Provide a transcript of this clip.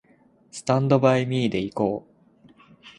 スタンドバイミーで行こう